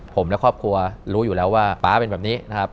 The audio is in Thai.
ผมและครอบครัวรู้อยู่แล้วว่าป๊าเป็นแบบนี้นะครับ